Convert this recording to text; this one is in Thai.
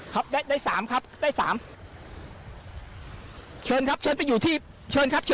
ครับได้ได้สามครับได้สามเชิญครับเชิญไปอยู่ที่เชิญครับเชิญ